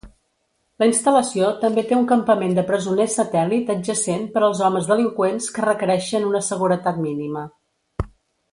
La instal·lació també té un campament de presoners satèl·lit adjacent per als homes delinqüents que requereixen una seguretat mínima.